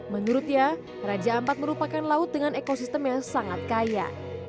menurutnya raja ampat merupakan laut dengan ekosistem yang sangat kaya